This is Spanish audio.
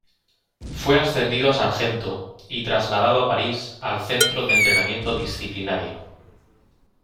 Fue ascendido a sargento y trasladado a París al Centro de Entrenamiento Disciplinario.